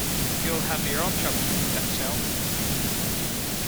You’ll have your own troubles with that child.